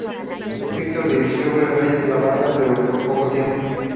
Victor dirigió brevemente la banda, pero por poco tiempo.